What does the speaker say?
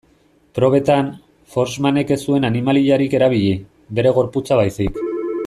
Probetan, Forssmanek ez zuen animaliarik erabili, bere gorputza baizik.